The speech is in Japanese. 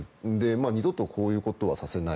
二度とこういうことはさせない。